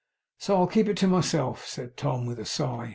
'So I'll keep it to myself,' said Tom, with a sigh.